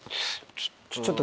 ちょっと。